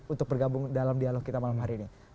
untuk bergabung dalam dialog kita malam hari ini